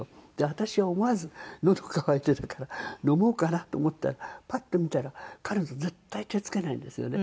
私は思わずのど渇いていたから飲もうかなと思ったらパッと見たら彼女絶対手つけないんですよね。